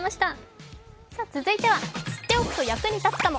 続いては、知っておくと役に立つかも。